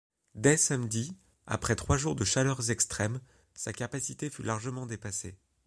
Dès samedi, après trois jours de chaleur extrême, sa capacité fut largement dépassée.